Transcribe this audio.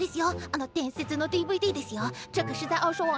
あの伝説のＤＶＤですよ！